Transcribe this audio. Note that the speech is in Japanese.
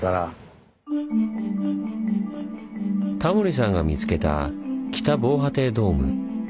タモリさんが見つけた北防波堤ドーム。